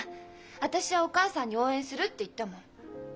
私はお母さんに「応援する」って言ったもん。